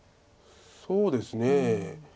そうですね。